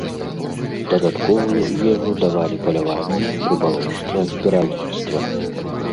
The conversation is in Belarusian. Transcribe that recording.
Дадатковую ежу давалі паляванне, рыбалоўства, збіральніцтва.